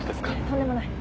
とんでもない。